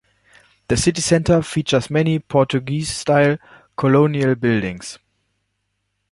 The city centre features many Portuguese-style colonial buildings.